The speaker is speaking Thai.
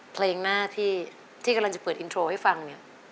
เพลงหน้าที่กำลังจะเปิดอินโทรให้ฟังเนี่ย